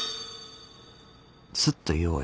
スッと言おうよ。